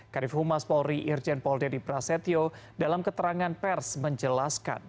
karif humas polri irjen poldedi prasetyo dalam keterangan pers menjelaskan